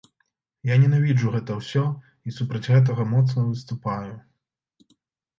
Я ненавіджу гэта ўсё і супраць гэтага моцна выступаю.